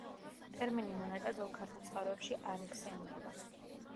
ტერმინი მონეტა ძველ ქართულ წყაროებში არ იხსენიება.